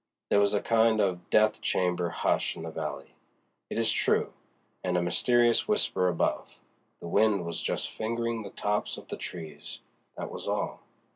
There was a kind of death chamber hush in the valley, it is true, and a mysterious whisper above: the wind was just fingering the tops of the trees—that was all.